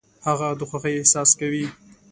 هغه د خوښۍ احساس کوي .